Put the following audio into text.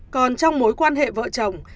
còn trong mối quan hệ vợ chồng